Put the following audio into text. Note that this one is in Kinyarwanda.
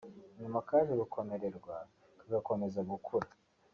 nyuma kaje gukomorerwa kagakomeza gukora